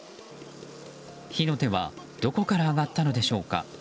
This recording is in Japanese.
火の手はどこから上がったのでしょうか。